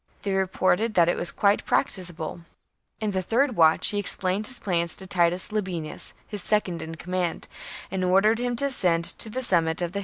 They reported that it was quite prac ticable. In the third watch he explained his plans to Titus Labienus, his second in command, I HELVETII AND ARIOVISTUS 19 and ordered him to ascend to the summit of the 58 b.